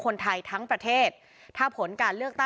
คุณวราวุฒิศิลปะอาชาหัวหน้าภักดิ์ชาติไทยพัฒนา